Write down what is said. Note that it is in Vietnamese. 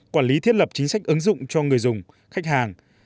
quản lý thiết lập chính sách ứng dụng cho người dùng khách hàng